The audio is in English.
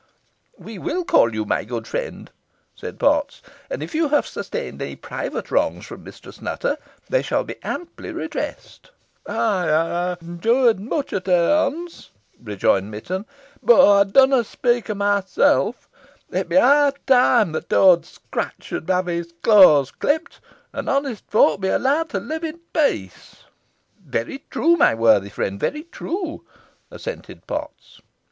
"We will call you, my good friend," said Potts; "and, if you have sustained any private wrongs from Mistress Nutter, they shall be amply redressed." "Ey ha' endured much ot her honts," rejoined Mitton; "boh ey dunna speak o' mysel'. It be high time that Owd Scrat should ha' his claws clipt, an honest folk be allowed to live in peace." "Very true, my worthy friend very true," assented Potts.